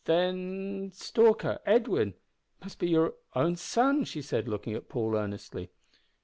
"Then Stalker Edwin must be your own son!" she said, looking at Paul earnestly.